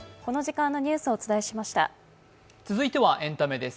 続いてはエンタメです。